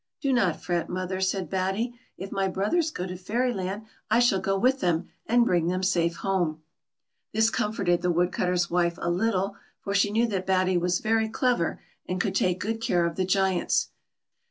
" Do not fret, mother," said Batty ;" if my brothers go to Fairyland, I shall go with them, and bring them safe home." This comforted the Woodcutter's wife a little, for she knew that Batty was very clever, and could take good care of the Giants.